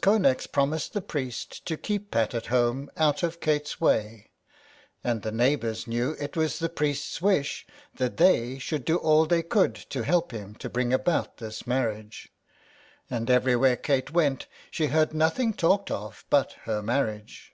Connex promised the priest to keep Pat at home out of Kate's way, and the neighbours knew it was the priest's wish that they should do all they could to help him to bring about this marriage, and everywhere Kate went she heard nothing talked of but her marriage.